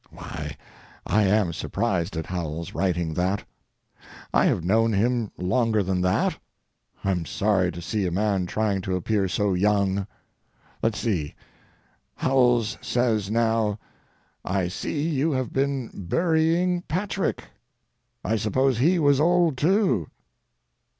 Why, I am surprised at Howells writing that! I have known him longer than that. I'm sorry to see a man trying to appear so young. Let's see. Howells says now, "I see you have been burying Patrick. I suppose he was old, too."